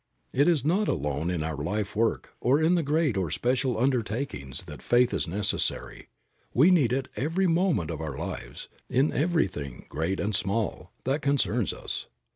It is not alone in our life work, or in great or special undertakings that faith is necessary. We need it every moment of our lives, in everything, great and small, that concerns us.